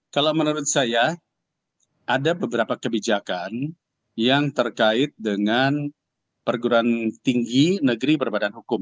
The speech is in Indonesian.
kalau menurut saya ada beberapa kebijakan yang terkait dengan perguruan tinggi negeri berbadan hukum